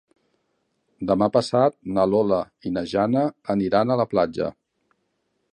Demà passat na Lola i na Jana aniran a la platja.